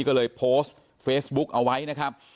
ก็เลยโพสต์เฟซบุ๊กเอาไว้นะครับ